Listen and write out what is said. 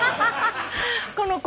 この子。